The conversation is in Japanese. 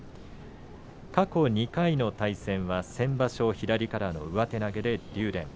過去２回の対戦は先場所、左からの上手投げで竜電。